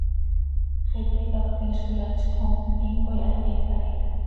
Xiica icacötim hizcoi hatzcoomt, himcoi hayeetaj iha.